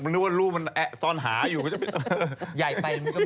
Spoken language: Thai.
ถ้าลูกมันแอ๊ะซ่อนหาอยู่ก็จะเป็น